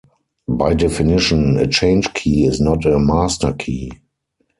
By definition, a change key is not a master key.